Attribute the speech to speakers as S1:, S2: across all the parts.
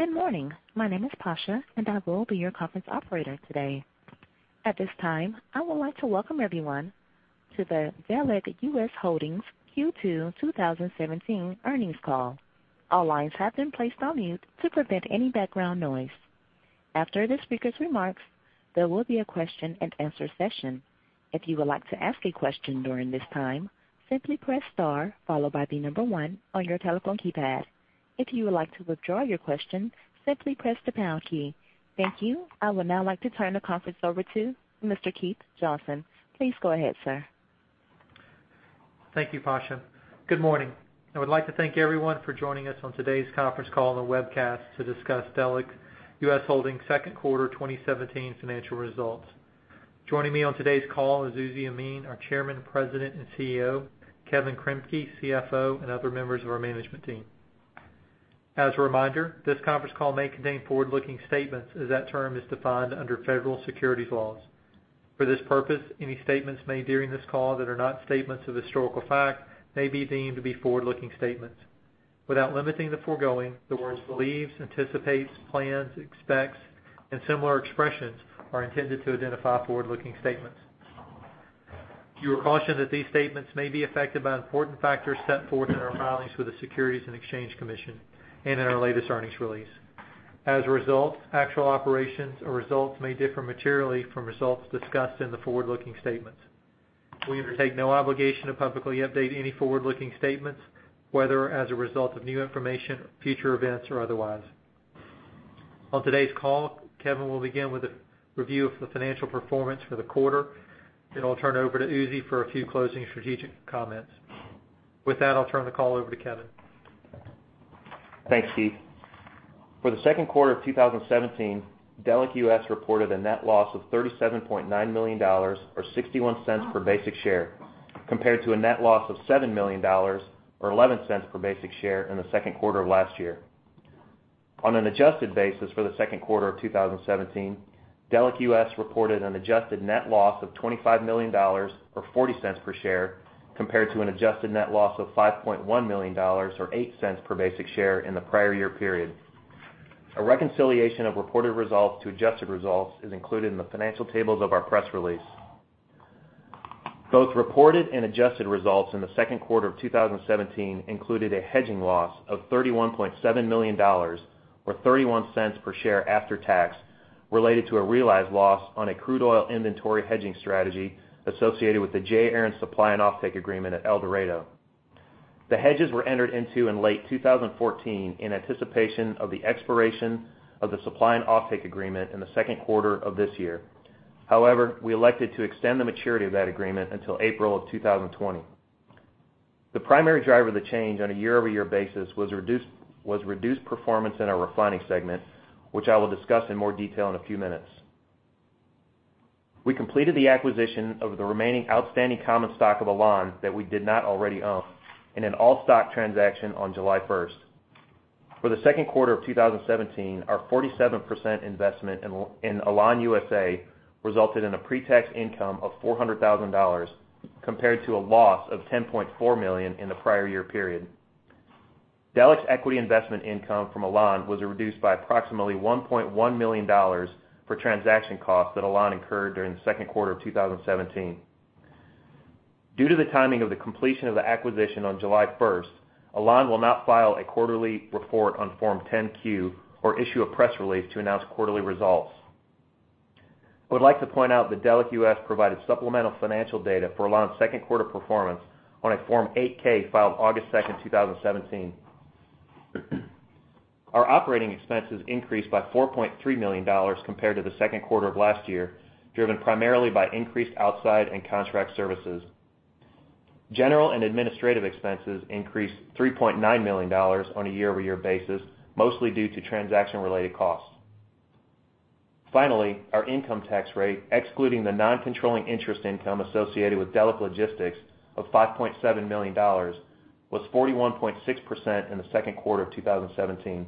S1: Good morning. My name is Pasha. I will be your conference operator today. At this time, I would like to welcome everyone to the Delek US Holdings Q2 2017 earnings call. All lines have been placed on mute to prevent any background noise. After the speakers' remarks, there will be a question and answer session. If you would like to ask a question during this time, simply press star followed by 1 on your telephone keypad. If you would like to withdraw your question, simply press the pound key. Thank you. I would now like to turn the conference over to Mr. Keith Johnson. Please go ahead, sir.
S2: Thank you, Pasha. Good morning. I would like to thank everyone for joining us on today's conference call and webcast to discuss Delek US Holdings' second quarter 2017 financial results. Joining me on today's call is Uzi Yemin, our Chairman, President, and CEO, Kevin Kremke, CFO, and other members of our management team. As a reminder, this conference call may contain forward-looking statements as that term is defined under federal securities laws. For this purpose, any statements made during this call that are not statements of historical fact may be deemed to be forward-looking statements. Without limiting the foregoing, the words believes, anticipates, plans, expects, and similar expressions are intended to identify forward-looking statements. You are cautioned that these statements may be affected by important factors set forth in our filings with the Securities and Exchange Commission and in our latest earnings release. Actual operations or results may differ materially from results discussed in the forward-looking statements. We undertake no obligation to publicly update any forward-looking statements, whether as a result of new information, future events, or otherwise. On today's call, Kevin will begin with a review of the financial performance for the quarter. I'll turn it over to Uzi for a few closing strategic comments. With that, I'll turn the call over to Kevin.
S3: Thanks, Keith. For the second quarter of 2017, Delek US reported a net loss of $37.9 million, or $0.61 per basic share, compared to a net loss of $7 million, or $0.11 per basic share in the second quarter of last year. On an adjusted basis for the second quarter of 2017, Delek US reported an adjusted net loss of $25 million, or $0.40 per share, compared to an adjusted net loss of $5.1 million, or $0.08 per basic share in the prior year period. A reconciliation of reported results to adjusted results is included in the financial tables of our press release. Both reported and adjusted results in the second quarter of 2017 included a hedging loss of $31.7 million, or $0.31 per share after tax, related to a realized loss on a crude oil inventory hedging strategy associated with the J. Aron supply and offtake agreement at El Dorado. The hedges were entered into in late 2014 in anticipation of the expiration of the supply and offtake agreement in the second quarter of this year. We elected to extend the maturity of that agreement until April of 2020. The primary driver of the change on a year-over-year basis was reduced performance in our refining segment, which I will discuss in more detail in a few minutes. We completed the acquisition of the remaining outstanding common stock of Alon that we did not already own in an all-stock transaction on July 1st. For the second quarter of 2017, our 47% investment in Alon USA resulted in a pre-tax income of $400,000, compared to a loss of $10.4 million in the prior year period. Delek's equity investment income from Alon was reduced by approximately $1.1 million for transaction costs that Alon incurred during the second quarter of 2017. Due to the timing of the completion of the acquisition on July 1st, Alon will not file a quarterly report on Form 10-Q or issue a press release to announce quarterly results. I would like to point out that Delek US provided supplemental financial data for Alon's second quarter performance on a Form 8-K filed August 2nd, 2017. Our operating expenses increased by $4.3 million compared to the second quarter of last year, driven primarily by increased outside and contract services. General and administrative expenses increased $3.9 million on a year-over-year basis, mostly due to transaction-related costs. Finally, our income tax rate, excluding the non-controlling interest income associated with Delek Logistics of $5.7 million, was 41.6% in the second quarter of 2017.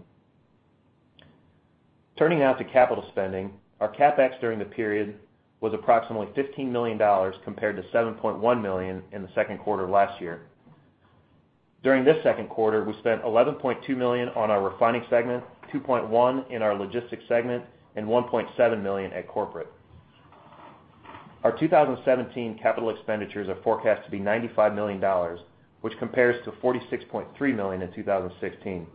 S3: Turning now to capital spending, our CapEx during the period was approximately $15 million compared to $7.1 million in the second quarter last year. During this second quarter, we spent $11.2 million on our refining segment, $2.1 million in our logistics segment, and $1.7 million at corporate. Our 2017 capital expenditures are forecast to be $95 million, which compares to $46.3 million in 2016.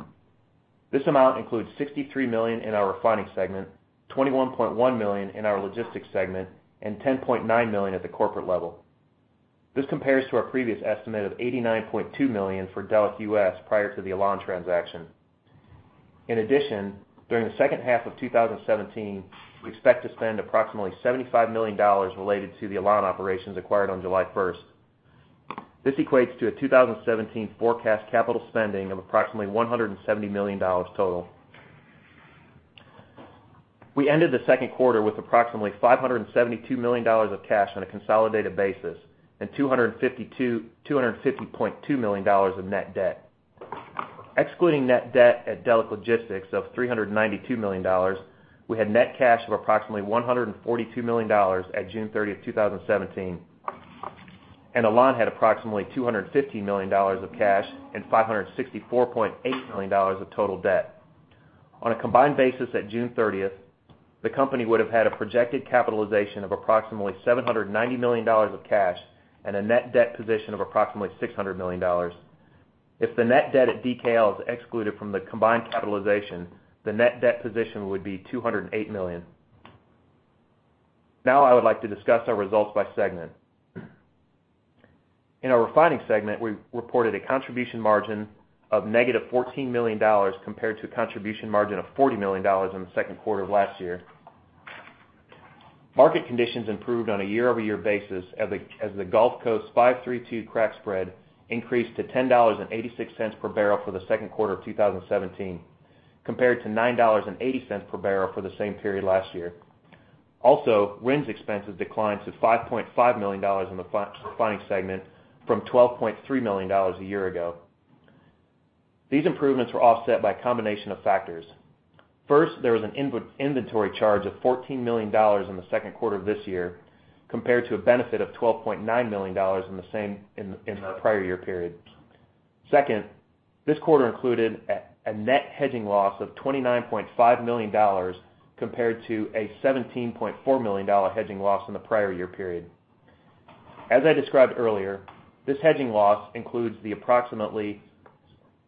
S3: This amount includes $63 million in our refining segment, $21.1 million in our logistics segment, and $10.9 million at the corporate level. This compares to our previous estimate of $89.2 million for Delek US prior to the Alon transaction. During the second half of 2017, we expect to spend approximately $75 million related to the Alon operations acquired on July 1st. This equates to a 2017 forecast capital spending of approximately $170 million total. We ended the second quarter with approximately $572 million of cash on a consolidated basis and $250.2 million of net debt. Excluding net debt at Delek Logistics of $392 million, we had net cash of approximately $142 million at June 30th, 2017. Alon had approximately $250 million of cash and $564.8 million of total debt. On a combined basis at June 30th, the company would have had a projected capitalization of approximately $790 million of cash and a net debt position of approximately $600 million. If the net debt at DKL is excluded from the combined capitalization, the net debt position would be $208 million. Now I would like to discuss our results by segment. In our refining segment, we reported a contribution margin of negative $14 million compared to a contribution margin of $40 million in the second quarter of last year. Market conditions improved on a year-over-year basis as the Gulf Coast's 5-3-2 crack spread increased to $10.86 per barrel for the second quarter of 2017 compared to $9.80 per barrel for the same period last year. Also, RINs expenses declined to $5.5 million in the refining segment from $12.3 million a year ago. These improvements were offset by a combination of factors. First, there was an inventory charge of $14 million in the second quarter of this year, compared to a benefit of $12.9 million in the prior year period. Second, this quarter included a net hedging loss of $29.5 million compared to a $17.4 million hedging loss in the prior year period. As I described earlier, this hedging loss includes the approximately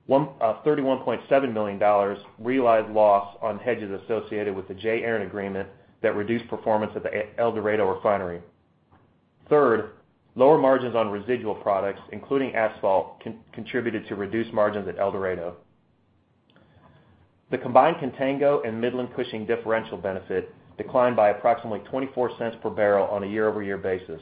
S3: $31.7 million realized loss on hedges associated with the J. Aron agreement that reduced performance at the El Dorado refinery. Third, lower margins on residual products, including asphalt, contributed to reduced margins at El Dorado. The combined Contango and Midland Cushing differential benefit declined by approximately $0.24 per barrel on a year-over-year basis.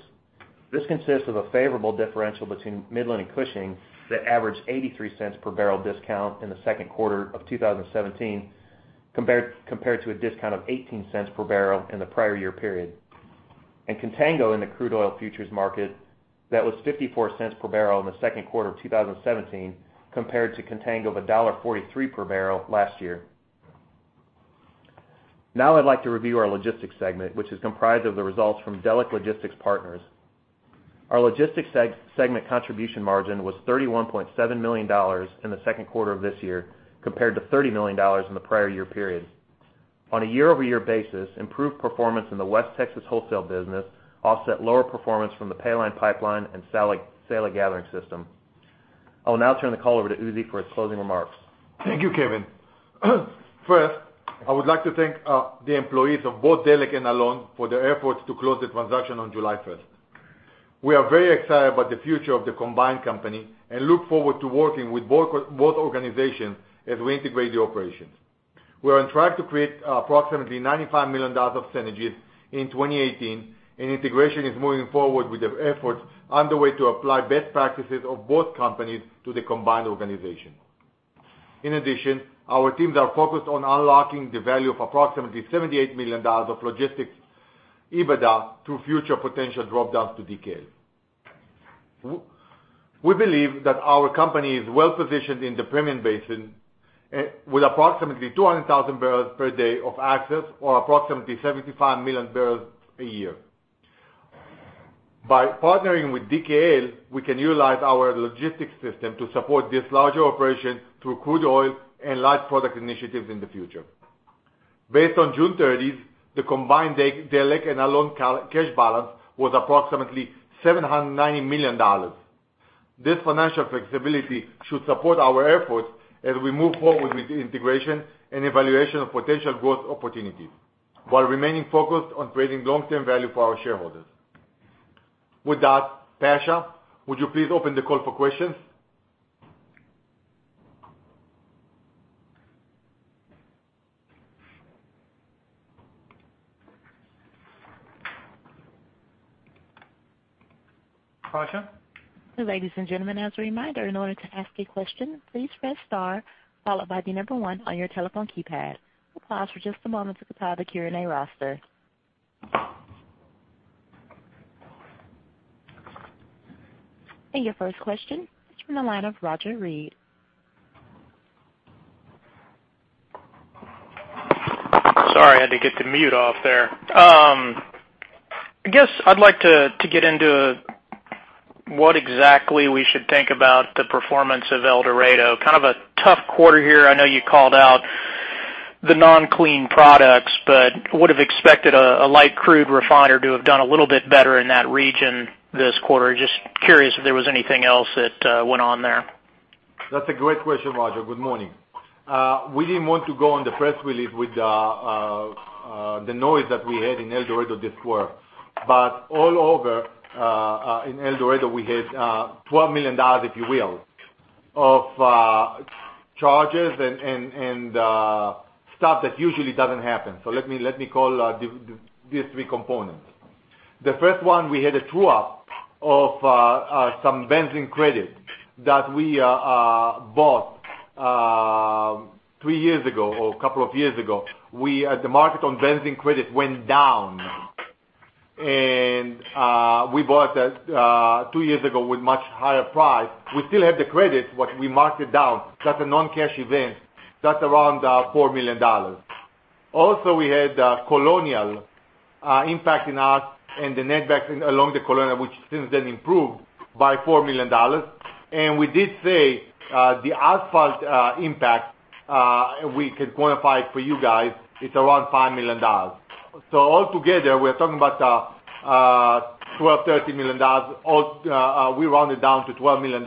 S3: This consists of a favorable differential between Midland and Cushing that averaged $0.83 per barrel discount in the second quarter of 2017 compared to a discount of $0.18 per barrel in the prior year period. Contango in the crude oil futures market that was $0.54 per barrel in the second quarter of 2017 compared to Contango of $1.43 per barrel last year. Now I'd like to review our logistics segment, which is comprised of the results from Delek Logistics Partners. Our logistics segment contribution margin was $31.7 million in the second quarter of this year compared to $30 million in the prior year period. On a year-over-year basis, improved performance in the West Texas wholesale business offset lower performance from the Paline Pipeline and SALA Gathering System. I will now turn the call over to Uzi for his closing remarks.
S4: Thank you, Kevin. First, I would like to thank the employees of both Delek and Alon for their efforts to close the transaction on July 1st. We are very excited about the future of the combined company and look forward to working with both organizations as we integrate the operations. We are on track to create approximately $95 million of synergies in 2018. Integration is moving forward with efforts underway to apply best practices of both companies to the combined organization. In addition, our teams are focused on unlocking the value of approximately $78 million of logistics EBITDA to future potential drop-downs to DKL. We believe that our company is well-positioned in the Permian Basin with approximately 200,000 barrels per day of access or approximately 75 million barrels a year. By partnering with DKL, we can utilize our logistics system to support this larger operation through crude oil and light product initiatives in the future. Based on June 30th, the combined Delek and Alon cash balance was approximately $790 million. This financial flexibility should support our efforts as we move forward with the integration and evaluation of potential growth opportunities while remaining focused on creating long-term value for our shareholders. With that, Pasha, would you please open the call for questions? Pasha?
S1: Ladies and gentlemen, as a reminder, in order to ask a question, please press star followed by the number one on your telephone keypad. We'll pause for just a moment to compile the Q&A roster. Your first question is from the line of Roger Read.
S5: Sorry, I had to get the mute off there. I guess I'd like to get into what exactly we should think about the performance of El Dorado. Kind of a tough quarter here. I know you called out the non-clean products, but would've expected a light crude refiner to have done a little bit better in that region this quarter. Just curious if there was anything else that went on there.
S4: That's a great question, Roger. Good morning. We didn't want to go on the press release with the noise that we had in El Dorado this quarter. All over in El Dorado, we had $12 million, if you will, of charges and stuff that usually doesn't happen. Let me call these three components. The first one, we had a true-up of some benzene credit that we bought three years ago or a couple of years ago. The market on benzene credit went down, and we bought that two years ago with much higher price. We still have the credit, but we marked it down. That's a non-cash event. That's around $4 million. Also, we had Colonial impacting us and the netbacks along the Colonial, which since then improved by $4 million. We did say the asphalt impact, we could quantify it for you guys, it's around $5 million. Altogether, we're talking about $12 million, $13 million. We round it down to $12 million.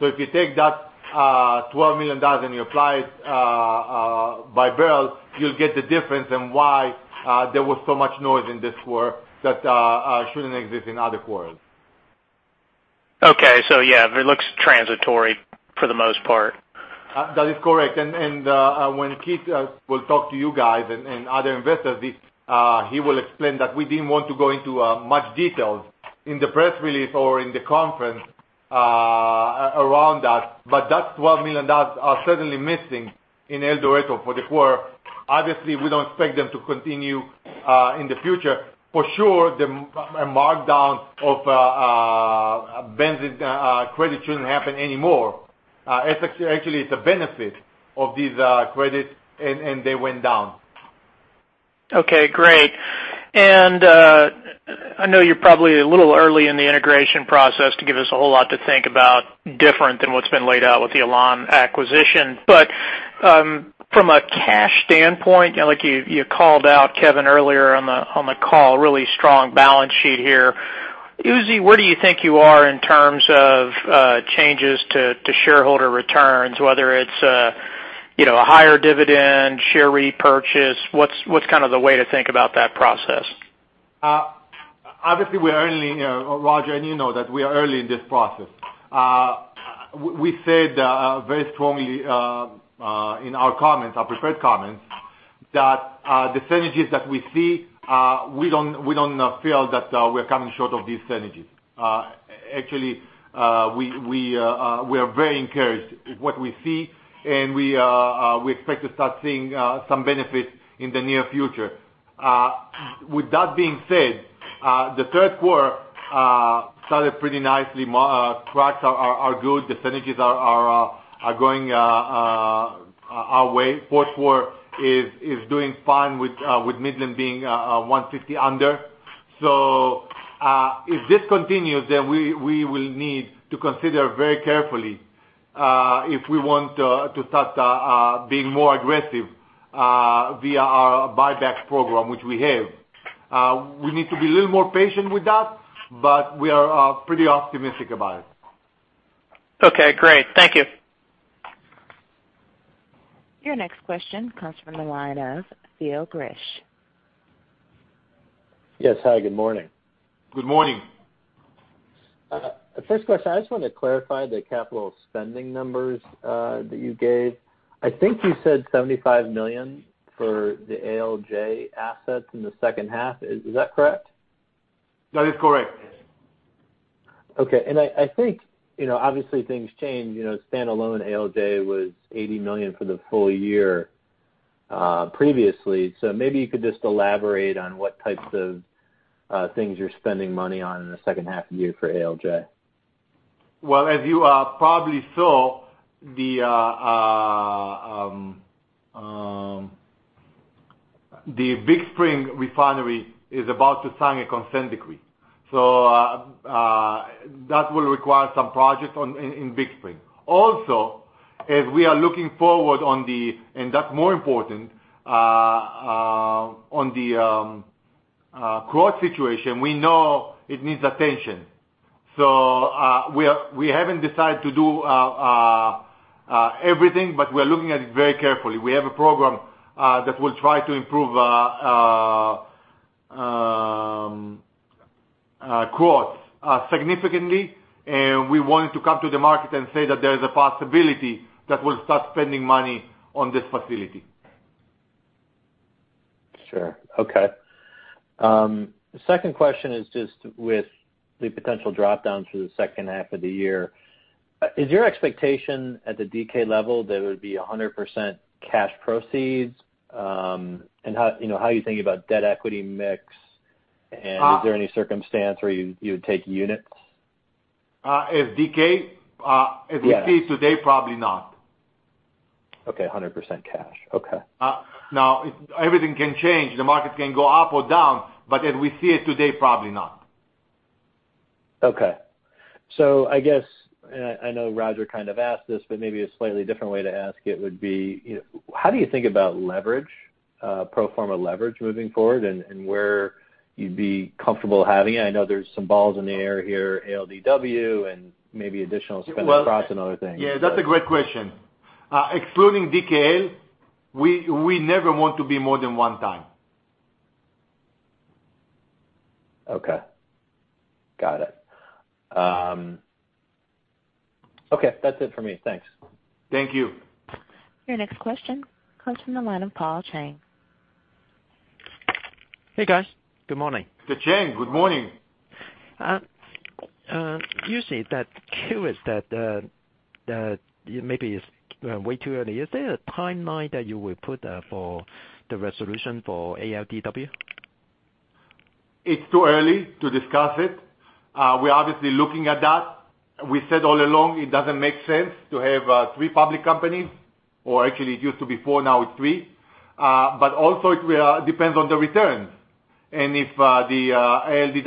S4: If you take that $12 million and you apply it by barrel, you'll get the difference in why there was so much noise in this quarter that shouldn't exist in other quarters.
S5: Okay. Yeah, it looks transitory for the most part.
S4: That is correct. When Keith will talk to you guys and other investors, he will explain that we didn't want to go into much details in the press release or in the conference around that, but that $12 million are certainly missing in El Dorado for the quarter. Obviously, we don't expect them to continue in the future. For sure, the markdown of benzene credit shouldn't happen anymore. Actually, it's a benefit of these credits, and they went down.
S5: Okay, great. I know you're probably a little early in the integration process to give us a whole lot to think about different than what's been laid out with the Alon acquisition. From a cash standpoint, like you called out Kevin earlier on the call, really strong balance sheet here. Uzi, where do you think you are in terms of changes to shareholder returns, whether it's a higher dividend, share repurchase? What's the way to think about that process?
S4: Roger, you know that we are early in this process. We said very strongly in our comments, our prepared comments, that the synergies that we see, we don't feel that we're coming short of these synergies. Actually, we are very encouraged with what we see, and we expect to start seeing some benefit in the near future. With that being said, the third quarter started pretty nicely. Margins are good. The synergies are going our way. Fourth quarter is doing fine with Midland being $150 under. If this continues, we will need to consider very carefully if we want to start being more aggressive via our buyback program, which we have. We need to be a little more patient with that, we are pretty optimistic about it.
S5: Okay, great. Thank you.
S1: Your next question comes from the line of Theo Grish.
S6: Yes, hi, good morning.
S4: Good morning.
S6: First question, I just wanted to clarify the capital spending numbers that you gave. I think you said $75 million for the ALJ assets in the second half. Is that correct?
S4: That is correct.
S6: Okay. I think, obviously things change, standalone ALJ was $80 million for the full year previously. Maybe you could just elaborate on what types of things you're spending money on in the second half of the year for ALJ.
S4: Well, as you probably saw, the Big Spring refinery is about to sign a consent decree. That will require some projects in Big Spring. Also, as we are looking forward, and that's more important, on the Krotz situation, we know it needs attention. We haven't decided to do everything, but we're looking at it very carefully. We have a program that will try to improve Krotz significantly, and we wanted to come to the market and say that there is a possibility that we'll start spending money on this facility.
S6: Sure. Okay. Second question is just with the potential drop-down through the second half of the year. Is your expectation at the DK level that it would be 100% cash proceeds? How are you thinking about debt-equity mix? Is there any circumstance where you would take units?
S4: If DK-
S6: Yes.
S4: As we see today, probably not.
S6: Okay, 100% cash. Okay.
S4: Everything can change. The market can go up or down, but as we see it today, probably not.
S6: Okay. I guess, and I know Roger kind of asked this, but maybe a slightly different way to ask it would be, how do you think about leverage, pro forma leverage moving forward, and where you'd be comfortable having it? I know there's some balls in the air here, ALDW, and maybe additional spend across and other things.
S4: Yeah, that's a great question. Excluding DKL, we never want to be more than one time.
S6: Okay. Got it. Okay, that's it for me, thanks.
S4: Thank you.
S1: Your next question comes from the line of Paul Cheng.
S7: Hey, guys. Good morning.
S4: Hey, Cheng. Good morning.
S7: Uzi, that curious that maybe it's way too early. Is there a timeline that you would put for the resolution for ALDW?
S4: It's too early to discuss it. We're obviously looking at that. We said all along, it doesn't make sense to have three public companies, or actually it used to be four, now it's three. Also, it depends on the returns, and if the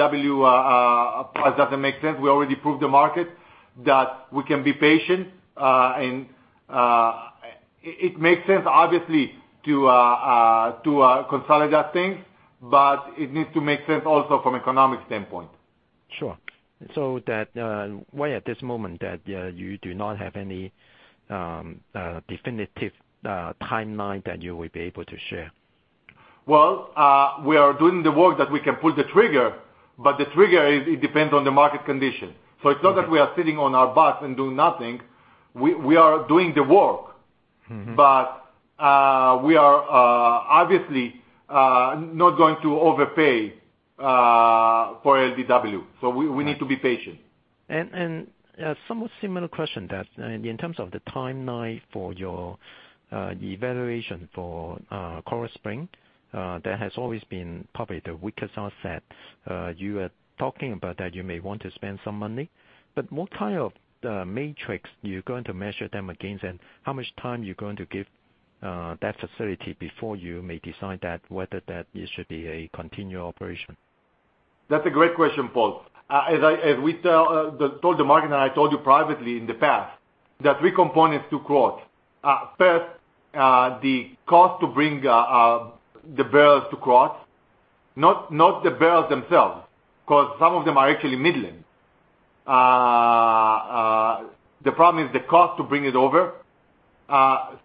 S4: ALDW doesn't make sense, we already proved the market, that we can be patient. It makes sense, obviously, to consolidate that thing, but it needs to make sense also from economic standpoint.
S7: Sure. Why at this moment that you do not have any definitive timeline that you will be able to share?
S4: we are doing the work that we can pull the trigger, the trigger, it depends on the market condition. It's not that we are sitting on our butts and do nothing. We are doing the work. we are obviously not going to overpay for ALDW. We need to be patient.
S7: somewhat similar question that in terms of the timeline for your evaluation for Krotz Springs, that has always been probably the weakest asset. You were talking about that you may want to spend some money, but what kind of matrix you're going to measure them against, and how much time you're going to give that facility before you may decide that whether that it should be a continual operation?
S4: That's a great question, Paul. As we told the market, I told you privately in the past, there are three components to Krotz. First, the cost to bring the barrels to quote, not the barrels themselves, because some of them are actually Midland. The problem is the cost to bring it over.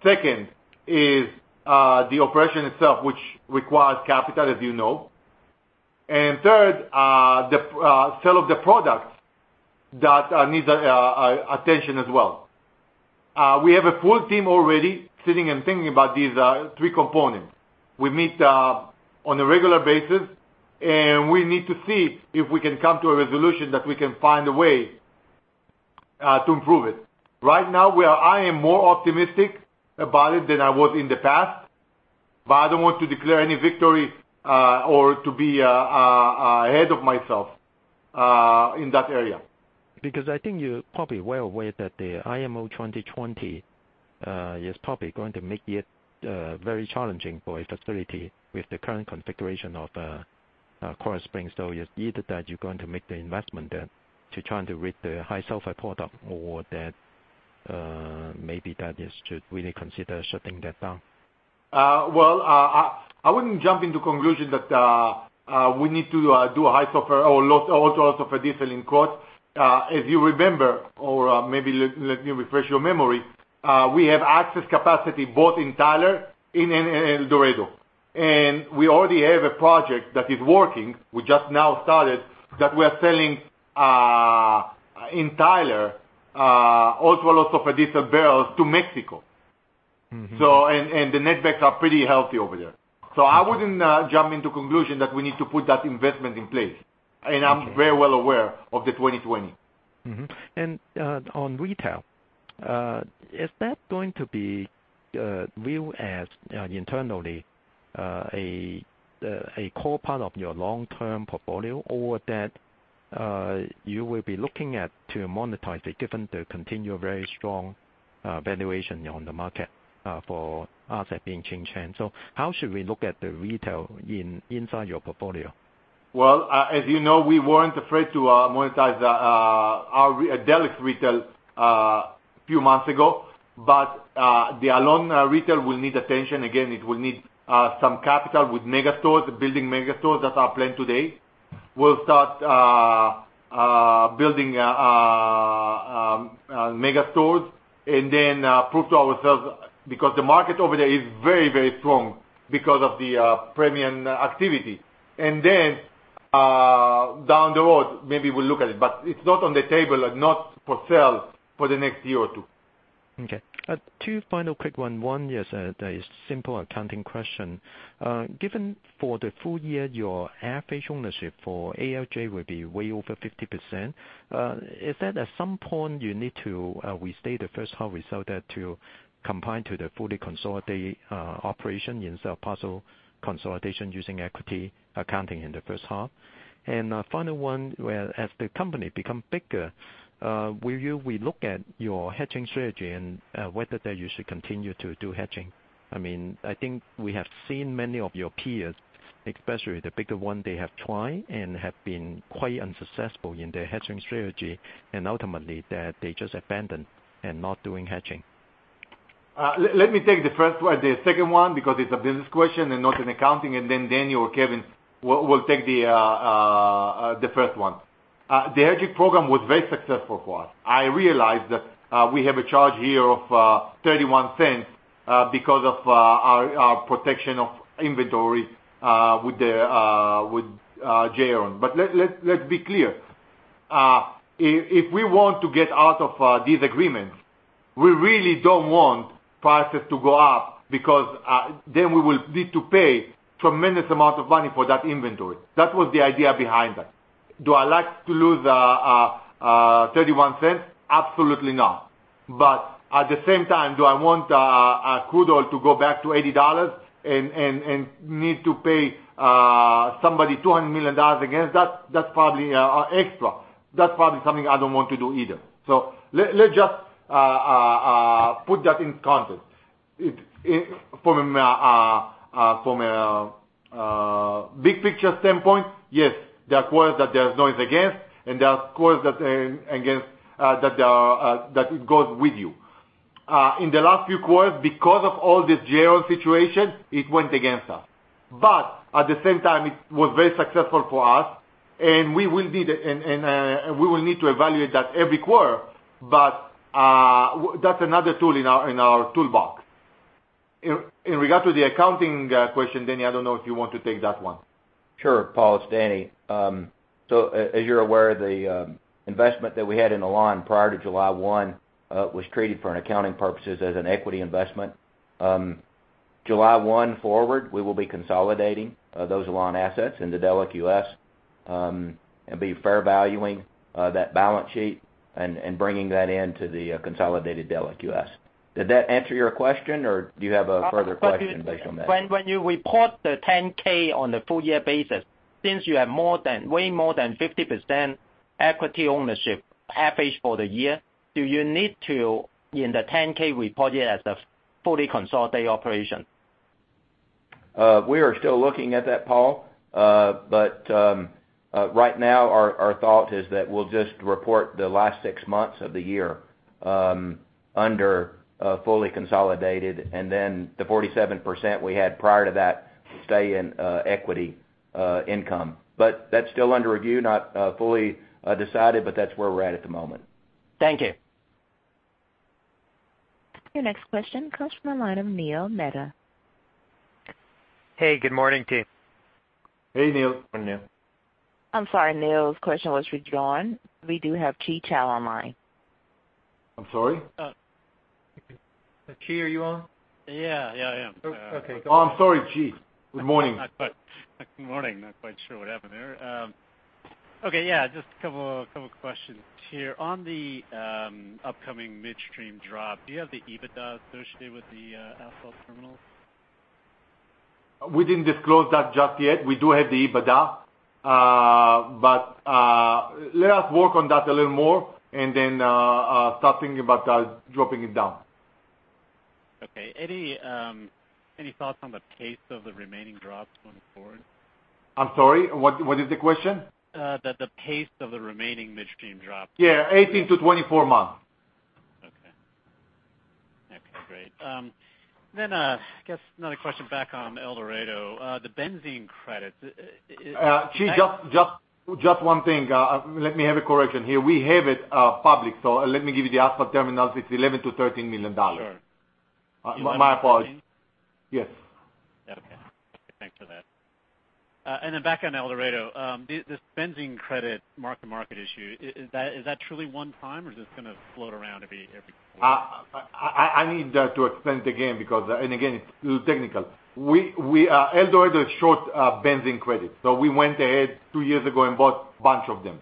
S4: Second, is the operation itself, which requires capital, as you know. Third, the sale of the product that needs attention as well. We have a full team already sitting and thinking about these three components. We meet on a regular basis, we need to see if we can come to a resolution that we can find a way to improve it. Right now, I am more optimistic about it than I was in the past, I don't want to declare any victory or to be ahead of myself in that area.
S7: I think you're probably well aware that the IMO 2020 is probably going to make it very challenging for a facility with the current configuration of Krotz Springs. It's either that you're going to make the investment there to try and deal with the high sulfur product or that maybe that you should really consider shutting that down.
S4: Well, I wouldn't jump into conclusion that we need to do a high sulfur or low ultra-low sulfur diesel in Krotz. If you remember, or maybe let me refresh your memory. We have access capacity both in Tyler and in El Dorado. We already have a project that is working. We just now started that we are selling in Tyler, ultra-low sulfur diesel barrels to Mexico. The netbacks are pretty healthy over there. I wouldn't jump into conclusion that we need to put that investment in place. I'm very well aware of the 2020.
S7: On retail, is that going to be viewed as internally a core part of your long-term portfolio or that you will be looking at to monetize it given the continual very strong valuation on the market for asset being changed? How should we look at the retail inside your portfolio?
S4: Well, as you know, we weren't afraid to monetize our Delek Retail few months ago, but the Alon retail will need attention again. It will need some capital with megastores, building megastores. That's our plan today. We'll start building megastores and then prove to ourselves, because the market over there is very, very strong because of the premium activity. Down the road, maybe we'll look at it, but it's not on the table and not for sale for the next year or two.
S7: Okay. Two final quick one. One is a simple accounting question. Given for the full year your average ownership for ALJ will be way over 50%. Is that at some point you need to restate the first half result to comply to the fully consolidated operation instead of partial consolidation using equity accounting in the first half? Final one, as the company become bigger, will you re-look at your hedging strategy and whether that you should continue to do hedging? I think we have seen many of your peers, especially the bigger one, they have tried and have been quite unsuccessful in their hedging strategy, and ultimately they just abandoned and not doing hedging.
S4: Let me take the second one because it's a business question and not an accounting, and then Danny or Kevin will take the first one. The hedging program was very successful for us. I realize that we have a charge here of $0.31 because of our protection of inventory with J. Aron. Let's be clear. If we want to get out of these agreements, we really don't want prices to go up because then we will need to pay tremendous amount of money for that inventory. That was the idea behind that. Do I like to lose $0.31? Absolutely not. At the same time, do I want crude oil to go back to $80 and need to pay somebody $200 million against that? That's probably extra. That's probably something I don't want to do either. Let's just put that in context. From a big picture standpoint, yes, there are quarters that there's noise against, and there are quarters that it goes with you. In the last few quarters, because of all this geo situation, it went against us. At the same time, it was very successful for us, and we will need to evaluate that every quarter, but that's another tool in our toolbox. In regard to the accounting question, Danny, I don't know if you want to take that one.
S8: Sure, Paul, it's Danny. As you're aware, the investment that we had in Alon prior to July 1 was treated for accounting purposes as an equity investment. July 1 forward, we will be consolidating those Alon assets into Delek US, and be fair valuing that balance sheet and bringing that into the consolidated Delek US. Did that answer your question, or do you have a further question based on that?
S7: When you report the 10-K on the full year basis, since you have way more than 50% equity ownership average for the year, do you need to, in the 10-K, report it as a fully consolidated operation?
S8: We are still looking at that, Paul. Right now, our thought is that we'll just report the last six months of the year under fully consolidated, and then the 47% we had prior to that stay in equity income. That's still under review, not fully decided, but that's where we're at at the moment.
S7: Thank you.
S1: Your next question comes from the line of Neil Mehta.
S6: Hey, good morning, team.
S4: Hey, Neil.
S8: Morning, Neal.
S1: I'm sorry, Neil's question was withdrawn. We do have Chi Tao on line.
S4: I'm sorry?
S8: Chi, are you on?
S6: Yeah, I am.
S8: Okay.
S4: Oh, I'm sorry, Chi. Good morning.
S6: Good morning. Not quite sure what happened there. Okay, yeah, just a couple of questions here. On the upcoming midstream drop, do you have the EBITDA associated with the asphalt terminals?
S4: We didn't disclose that just yet. We do have the EBITDA. Let us work on that a little more and then start thinking about dropping it down.
S6: Okay. Any thoughts on the pace of the remaining drops going forward?
S4: I'm sorry, what is the question?
S6: The pace of the remaining midstream drops.
S4: Yeah. 18 to 24 months.
S6: Okay. Great. I guess another question back on El Dorado. The benzene credits.
S4: Chi, just one thing. Let me have a correction here. We have it public, so let me give you the asphalt terminals. It's $11 million-$13 million.
S6: Sure.
S4: My apologies.
S6: 11 to 13?
S4: Yes.
S6: Okay. Thanks for that. Back on El Dorado. This benzene credit mark-to-market issue, is that truly one time, or is this going to float around every quarter?
S4: I need to explain it again, and again, it's a little technical. El Dorado is short on benzene credits. We went ahead two years ago and bought a bunch of them.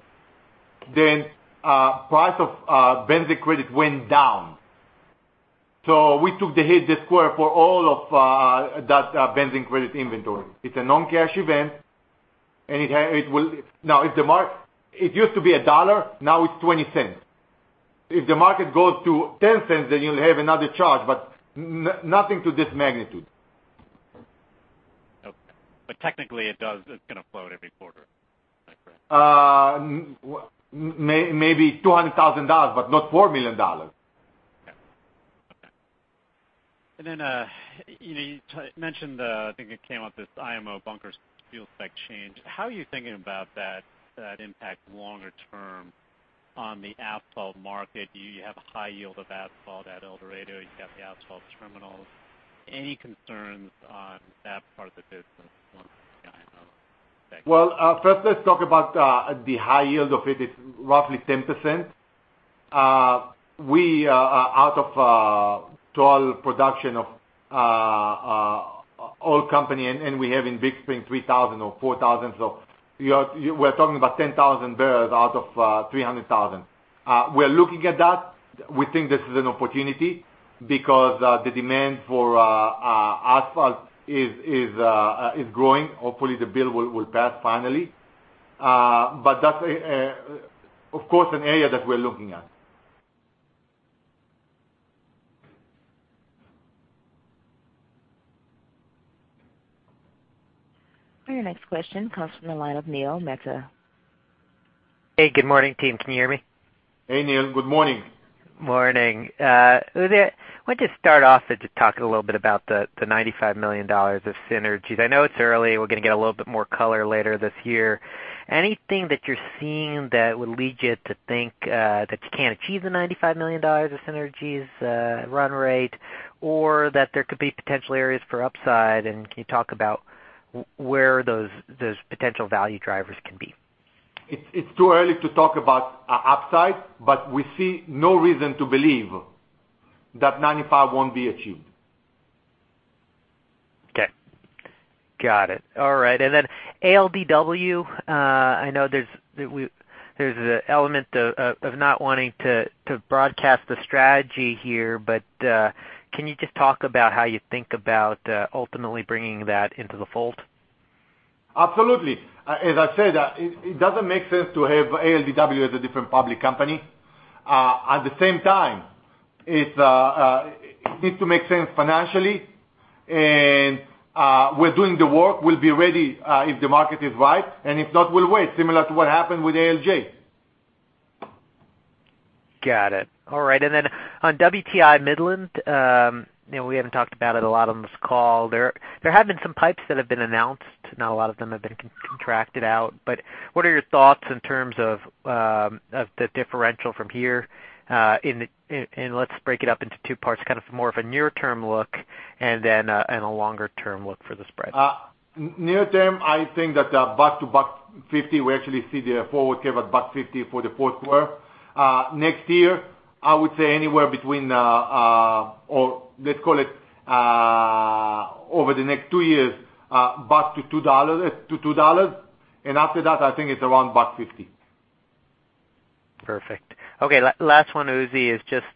S4: Price of benzene credit went down. We took the hit this quarter for all of that benzene credit inventory. It's a non-cash event. It used to be $1, now it's $0.20. If the market goes to $0.10, you'll have another charge, but nothing to this magnitude.
S6: Okay. Technically, it's going to float every quarter. Is that correct?
S4: Maybe $200,000, but not $4 million.
S6: Okay. You mentioned, I think it came up, this IMO bunker fuel spec change. How are you thinking about that impact longer term on the asphalt market? You have a high yield of asphalt at El Dorado. You've got the asphalt terminals. Any concerns on that part of the business once the IMO spec-
S4: Well, first, let's talk about the high yield of it. It's roughly 10%. We have in Big Spring 3,000 or 4,000. We're talking about 10,000 barrels out of 300,000. We're looking at that. We think this is an opportunity because the demand for asphalt is growing. Hopefully, the bill will pass finally. That's, of course, an area that we're looking at.
S1: Your next question comes from the line of Neal Mehta.
S9: Hey, good morning, team. Can you hear me?
S4: Hey, Neal. Good morning.
S9: Morning. I want to start off to talk a little bit about the $95 million of synergies. I know it's early. We're going to get a little bit more color later this year. Anything that you're seeing that would lead you to think that you can't achieve the $95 million of synergies run rate, or that there could be potential areas for upside, and can you talk about where those potential value drivers can be?
S4: It's too early to talk about upside. We see no reason to believe that $95 won't be achieved.
S9: Got it. All right. Then ALDW, I know there's the element of not wanting to broadcast the strategy here. Can you just talk about how you think about ultimately bringing that into the fold?
S4: Absolutely. As I said, it doesn't make sense to have ALDW as a different public company. At the same time, it needs to make sense financially. We're doing the work. We'll be ready, if the market is right. If not, we'll wait. Similar to what happened with ALJ.
S9: Got it. All right. On WTI Midland, we haven't talked about it a lot on this call. There have been some pipes that have been announced. Not a lot of them have been contracted out. What are your thoughts in terms of the differential from here, and let's break it up into two parts, kind of more of a near-term look and then a longer-term look for the spread.
S4: Near term, I think that $1 to $1.50, we actually see the forward curve at $1.50 for the fourth quarter. Next year, I would say anywhere between over the next two years, $1 to $2. After that, I think it's around $1.50.
S9: Perfect. Okay, last one, Uzi, is just,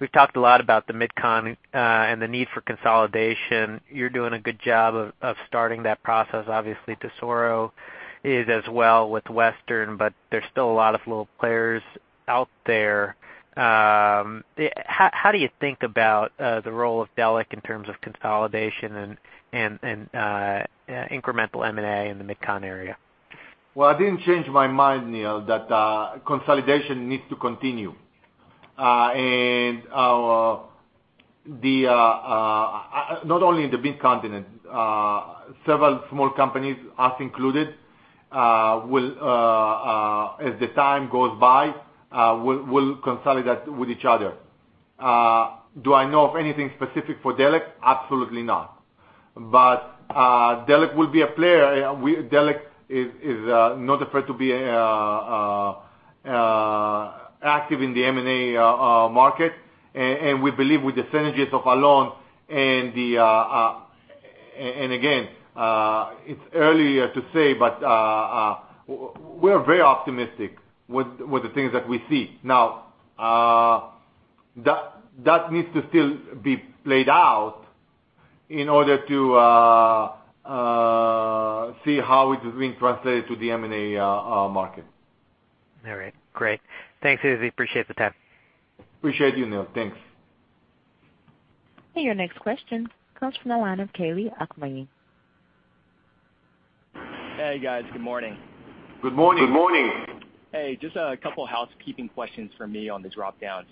S9: we've talked a lot about the MidCon, and the need for consolidation. You're doing a good job of starting that process. Obviously, Tesoro is as well with Western, but there's still a lot of little players out there. How do you think about the role of Delek in terms of consolidation and incremental M&A in the MidCon area?
S4: Well, I didn't change my mind, Neal, that consolidation needs to continue. Not only in the MidContinent, several small companies, us included, as the time goes by, will consolidate with each other. Do I know of anything specific for Delek? Absolutely not. Delek will be a player. Delek is not afraid to be active in the M&A market. We believe with the synergies of Alon and again, it's early to say, but we're very optimistic with the things that we see now. That needs to still be played out in order to see how it is being translated to the M&A market.
S9: All right. Great. Thanks, Uzi. Appreciate the time.
S4: Appreciate you, Neil. Thanks.
S1: Your next question comes from the line of Kaylee Akmani.
S6: Hey, guys. Good morning.
S4: Good morning.
S6: Hey, just a couple housekeeping questions from me on the drop-downs.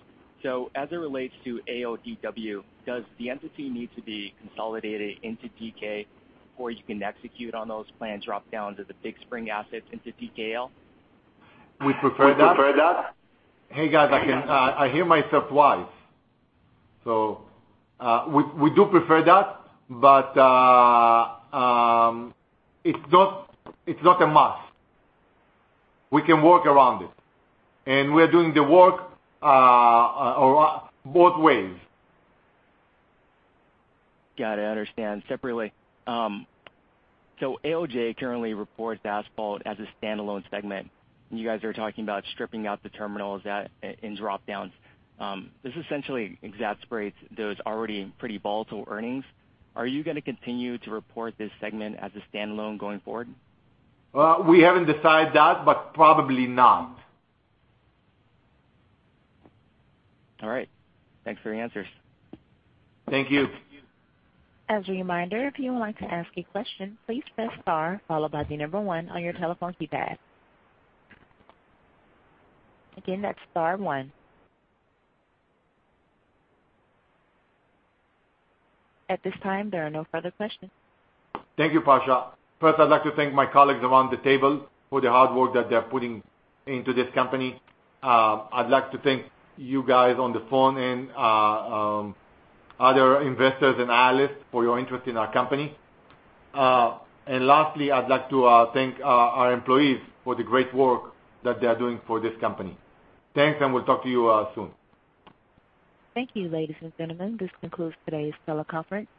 S6: As it relates to ALDW, does the entity need to be consolidated into DK before you can execute on those planned drop-downs of the Big Spring assets into DKL?
S4: We prefer that. Hey, guys, I hear myself twice. We do prefer that, but it's not a must. We can work around it, and we are doing the work both ways.
S6: Got it. I understand. Separately, Alon currently reports asphalt as a standalone segment, and you guys are talking about stripping out the terminals in drop-downs. This essentially exacerbates those already pretty volatile earnings. Are you going to continue to report this segment as a standalone going forward?
S4: We haven't decided that, but probably not.
S6: All right. Thanks for your answers.
S4: Thank you.
S1: As a reminder, if you would like to ask a question, please press star followed by 1 on your telephone keypad. Again, that's star one. At this time, there are no further questions.
S4: Thank you, Pasha. First, I'd like to thank my colleagues around the table for the hard work that they're putting into this company. I'd like to thank you guys on the phone and other investors and analysts for your interest in our company. Lastly, I'd like to thank our employees for the great work that they are doing for this company. Thanks, and we'll talk to you soon.
S1: Thank you, ladies and gentlemen. This concludes today's teleconference.